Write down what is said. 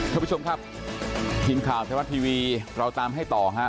คุณผู้ชมครับหินข่าวเทวัตรที่วีเราตามให้ต่อฮะ